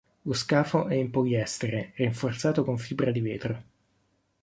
Lo scafo è in poliestere rinforzato con fibra di vetro.